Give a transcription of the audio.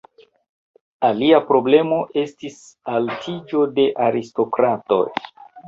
Alia problemo estis altiĝo de aristokratoj.